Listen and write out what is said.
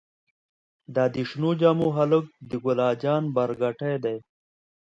دا د شنو جامو هلک د ګلا جان پارکټې دې.